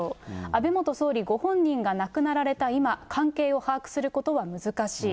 安倍元総理ご本人が亡くなられた今、関係を把握することは難しい。